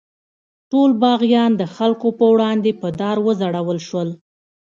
ټول باغیان د خلکو په وړاندې په دار وځړول شول.